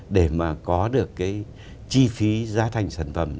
để mà có được cái chi phí giá thành sản phẩm